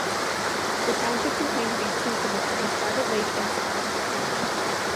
The township contains these two cemeteries: Rabbit Lake and Saron.